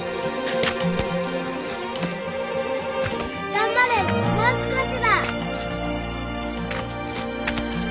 頑張れもう少しだ。